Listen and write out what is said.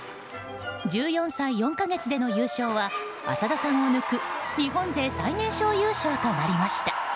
１４歳４か月での優勝は浅田さんを抜く日本勢最年少優勝となりました。